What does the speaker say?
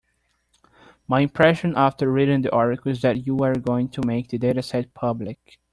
My impression after reading the article is that you are going to make the dataset public.